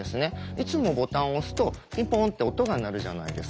いつもボタンを押すとピンポンって音が鳴るじゃないですか。